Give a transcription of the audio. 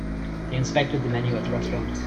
They inspected the menu at the restaurant.